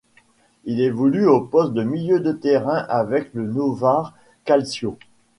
Il évolue au poste de milieu terrain avec le Novare Calcio.